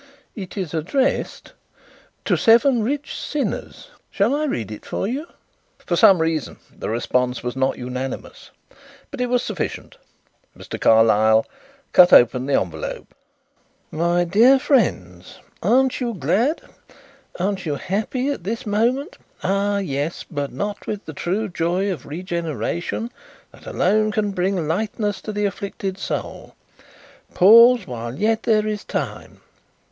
"It is addressed 'To Seven Rich Sinners.' Shall I read it for you?" For some reason the response was not unanimous, but it was sufficient. Mr. Carlyle cut open the envelope. "My dear Friends, Aren't you glad? Aren't you happy at this moment? Ah yes; but not with the true joy of regeneration that alone can bring lightness to the afflicted soul. Pause while there is yet time.